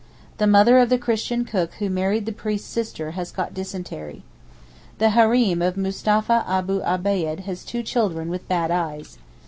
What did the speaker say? The mother of the Christian cook who married the priest's sister has got dysentery. The hareem of Mustapha Abou Abeyd has two children with bad eyes.